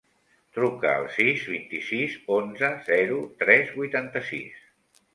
Truca al sis, vint-i-sis, onze, zero, tres, vuitanta-sis.